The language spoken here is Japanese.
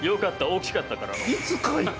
大きかったからのう。